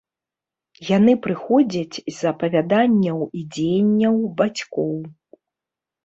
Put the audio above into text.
Яны прыходзяць з апавяданняў і дзеянняў бацькоў.